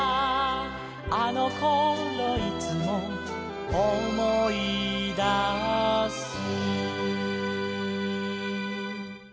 「あのころいつも」「おもいだす」